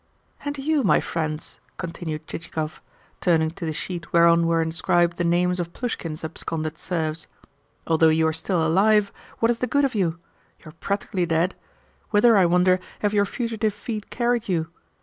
"And you, my friends?" continued Chichikov, turning to the sheet whereon were inscribed the names of Plushkin's absconded serfs. "Although you are still alive, what is the good of you? You are practically dead. Whither, I wonder, have your fugitive feet carried you?